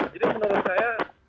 jadi menurut saya